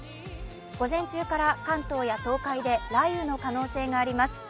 午前中から関東や東海で雷雨の可能性があります。